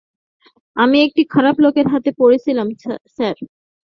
আমি একটি খারাপ লোকের হাতে পড়েছিলাম স্যার।